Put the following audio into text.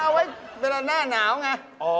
เอาไว้เวลาหน้าหนาวไง